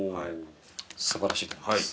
素晴らしいと思います。